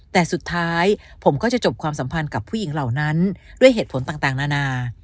แต่สุดท้ายผมก็จะจบความสัมพันธ์กับผู้หญิงเหล่านั้นด้วยเหตุผลต่างนานา